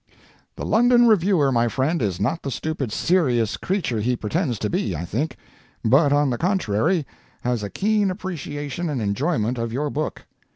] The London Reviewer, my friend, is not the stupid "serious" creature he pretends to be, I think; but, on the contrary, has a keen appreciation and enjoyment of your book.